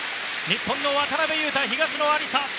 日本の渡辺勇大、東野有紗